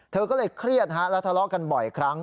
เธอก็เลยเครียดและทะเลาะกันบ่อยครั้ง